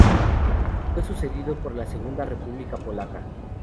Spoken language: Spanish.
Fue sucedido por la Segunda República Polaca.